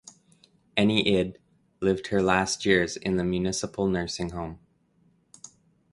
Enni Id lived her last years in the municipal nursing home.